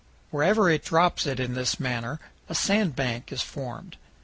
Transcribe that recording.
Wherever it drops it in this manner a sand bank is formed.